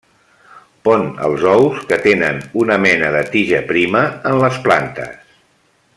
Pon els ous, que tenen una mena de tija prima, en les plantes.